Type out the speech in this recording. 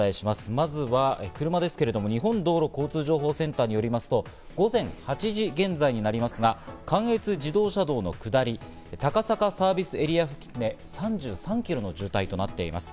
まずは車ですけれども、日本道路交通情報センターによりますと、午前８時現在になりますが、関越自動車道の下り、高坂サービスエリア付近で３３キロの渋滞となっています。